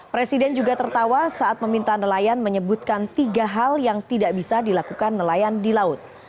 presiden juga tertawa saat meminta nelayan menyebutkan tiga hal yang tidak bisa dilakukan nelayan di laut